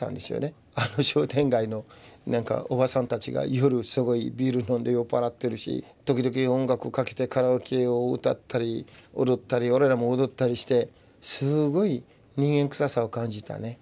あの商店街のおばさんたちが夜すごいビール飲んで酔っ払ってるし時々音楽をかけてカラオケを歌ったり踊ったり我々も踊ったりしてすごい人間くささを感じたね。